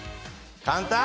簡単！